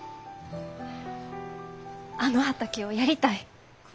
あの畑をやりたい。